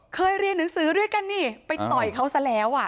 เคยเรียนหนังสือด้วยกันนี่ไปต่อยเขาซะแล้วอ่ะ